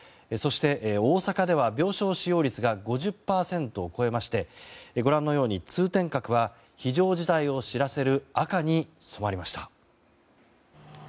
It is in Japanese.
そして、大阪では病床使用率が５０％を超えましてご覧のように通天閣は非常事態を知らせる赤に染まりました。